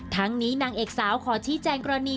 ทั้งนี้นางเอกสาวขอชี้แจงกรณี